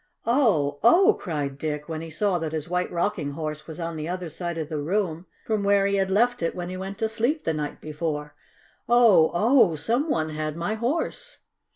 "Oh! Oh!" cried Dick, when he saw that his White Rocking Horse was on the other side of the room from where he had left it when he went to sleep the night before. "Oh! Oh! Some one had my Horse!"